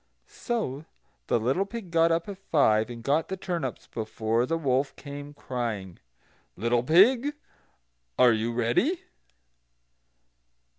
So the little pig got up at five, and got the turnips before the wolf came crying: "Little pig, are you ready?"